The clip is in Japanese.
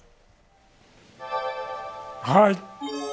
はい。